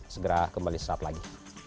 segera kembali saat lagi